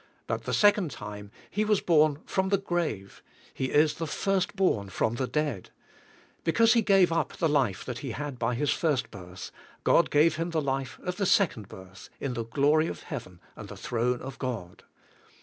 But the second time, He was born from the grave; He is the "first born from the dead." Because He gave up the life that He had by His first birth, God gave him the life of the second birth, in the glory of heaven and the throne of God.